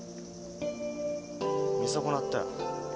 見損なったよ。